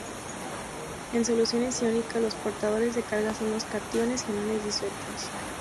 En soluciones iónicas, los portadores de carga son los cationes y aniones disueltos.